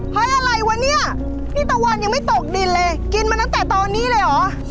อะไรวะเนี่ยพี่ตะวันยังไม่ตกดินเลยกินมาตั้งแต่ตอนนี้เลยเหรอ